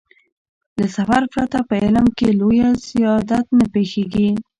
له سفر پرته په علم کې لويه زيادت نه پېښېږي.